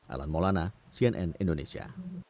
alan maulana cnn indonesia